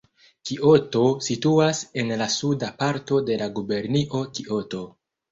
Kioto situas en la suda parto de la gubernio Kioto.